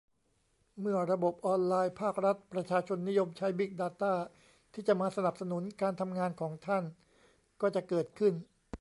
เมื่อระบบออนไลน์ภาครัฐ ประชาชนนิยมใช้ บิ๊กดาต้า ที่จะมาสนับสนุนการทำงานของท่าน ก็จะเกิดขึ้น